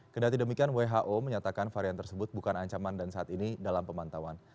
kedati demikian who menyatakan varian tersebut bukan ancaman dan saat ini dalam pemantauan